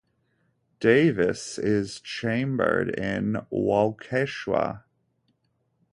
Davis is chambered in Waukesha.